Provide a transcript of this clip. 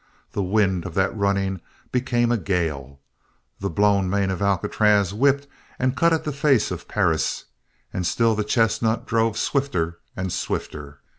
The wind of that running became a gale. The blown mane of Alcatraz whipped and cut at the face of Perris, and still the chestnut drove swifter and swifter.